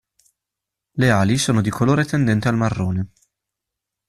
Le ali sono di colore tendente al marrone.